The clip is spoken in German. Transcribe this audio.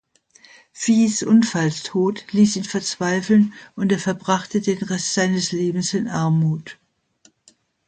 Vies Unfalltod ließ ihn verzweifeln und er verbrachte den Rest seines Lebens in Armut.